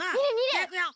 じゃいくよ。